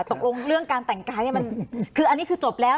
ตกลงเรื่องการแต่งกายคืออันนี้คือจบแล้ว